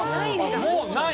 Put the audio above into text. もうない。